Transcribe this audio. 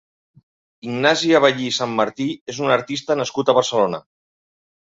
Ignasi Aballí Sanmartí és un artista nascut a Barcelona.